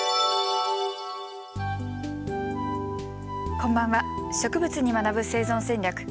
こんばんは「植物に学ぶ生存戦略」。